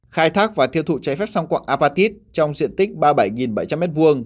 khai thác và tiêu thụ trái phép song quạng apatit trong diện tích ba mươi bảy bảy trăm linh m hai